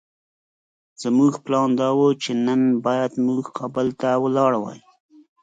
زموږ پلان دا وو چې نن بايد موږ کابل ته ولاړ وای.